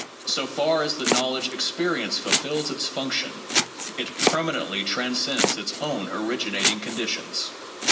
So far as the knowledge experience fulfills its function, it permanently transcends its own originating conditions.